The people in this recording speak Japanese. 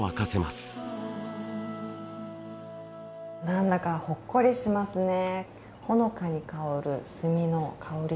何だかほっこりしますね。